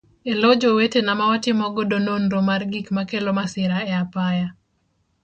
Elo jowetena ma watimo godo nonro mar gik makelo masira e apaya.